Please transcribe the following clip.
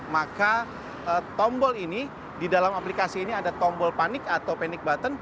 maka tombol ini di dalam aplikasi ini ada tombol panik atau panic button